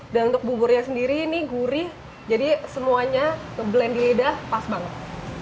dan untuk buburnya sendiri ini gurih jadi semuanya ngeblend di lidah pas banget